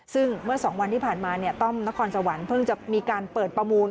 ซึ่งเมื่อ๒วันที่ผ่านมาต้อมนครสวรรค์เพิ่งจะมีการเปิดประมูล